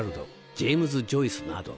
ジェイムズ・ジョイスなど。